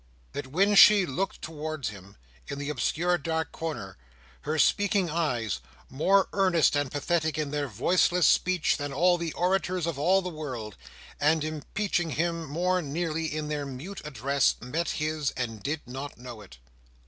That when she looked towards him, in the obscure dark corner, her speaking eyes, more earnest and pathetic in their voiceless speech than all the orators of all the world, and impeaching him more nearly in their mute address, met his, and did not know it!